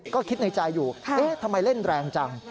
ก็คิดในใจอยู่เอ๊ะทำไมเล่นแรงจัง